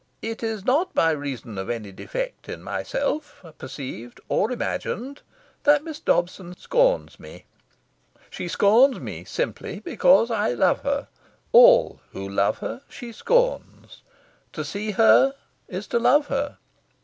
It is not by reason of any defect in myself, perceived or imagined, that Miss Dobson scorns me. She scorns me simply because I love her. All who love her she scorns. To see her is to love her.